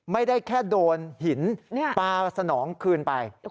ไม่ได้แค่โดนหินปลาสนองคืนไป